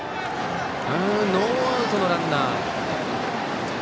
ノーアウトのランナー。